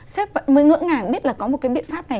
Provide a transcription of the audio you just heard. xếp mới ngỡ ngàng biết là có một cái biện pháp này